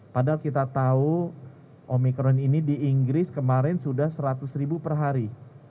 padahal kita tahu omikron ini di inggris kemarin sudah seratus ribu per hari